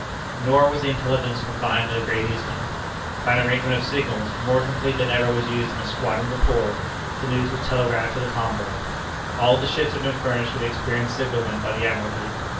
Nor was the intelligence confined to the Great Eastern. By an arrangement of signals, more complete than ever was used in a squadron before, the news was telegraphed to the convoy. All the ships had been furnished with experienced signal men by the Admiralty.